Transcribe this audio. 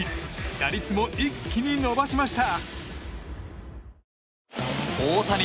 打率も一気に伸ばしました。